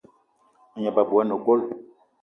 A gneb abui ane gold.